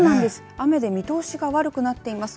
雨で見通しが悪くなっています。